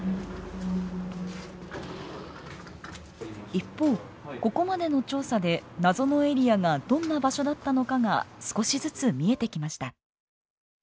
一方ここまでの調査で謎のエリアがどんな場所だったのかが少しずつ見えてきました。